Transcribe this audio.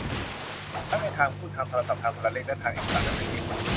ทั้งในทางพูด ทางโทรศัพท์ ทางโทรเลข และทางเอกสารหนังสือพิมพ์